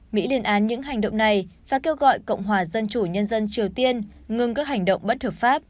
mỹ lên án những hành động này và kêu gọi cộng hòa dân chủ nhân dân triều tiên ngừng các hành động bất hợp pháp